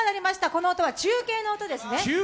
この音は中継の音ですね。